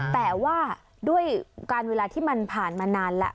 แต่ว่าด้วยการเวลาที่มันผ่านมานานแล้ว